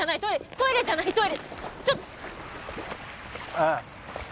トイレじゃないトイレちょ。